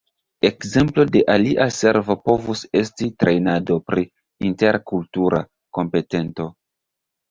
Ekzemplo de alia servo povus esti trejnado pri interkultura kompetento.